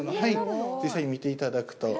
実際に見ていただくと。